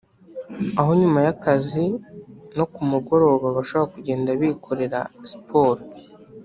aho nyuma y’akazi no ku mugoroba bashobora kugenda bikorera siporo